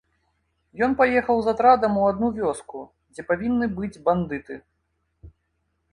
Ён паехаў з атрадам у адну вёску, дзе павінны быць бандыты.